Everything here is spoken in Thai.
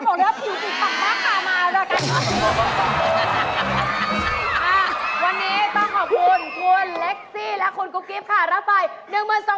บอกเลยว่าคิดอย่างไรบ้างค่ะมาด้วยกัน